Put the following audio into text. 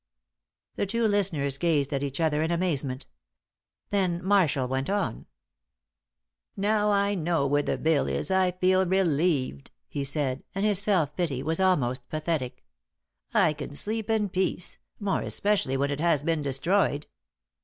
The two listeners gazed at each other in amazement. Then Marshall went on. "Now I know where the bill is I feel relieved," he said, and his self pity was almost, pathetic. "I can sleep in peace, more especially when it has been destroyed."